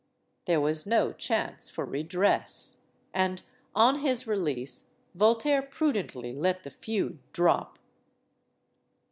There was no chance for redress. And, on his release, Voltaire prudently let the feud drop.